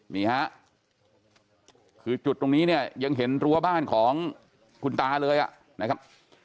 นี่ฮะคือจุดตรงนี้เนี่ยยังเห็นรั้วบ้านของคุณตาเลยนะครับ